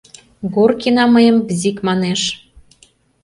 Горкина мыйым бзик манеш.